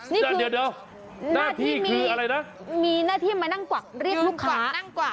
นี่คือหน้าที่มีหน้าที่มานั่งกวักเรียกลูกค้า